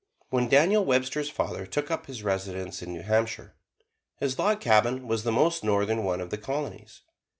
When Daniel Webster's father took up his residence in New Hampshire, his log cabin was the most northern one of the Colonies.